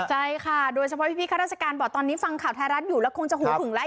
ใช่ค่ะโดยเฉพาะพี่ข้าราชการบอกตอนนี้ฟังข่าวไทยรัฐอยู่แล้วคงจะหูหึงแล้ว